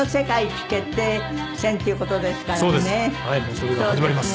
それが始まります。